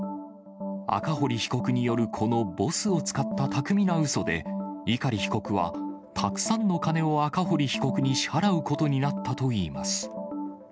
赤堀被告による、このボスを使った巧みなうそで、碇被告は、たくさんの金を赤堀被告に支払うことになったといいます。